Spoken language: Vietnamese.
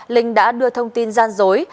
linh đã đưa thông tin gian dối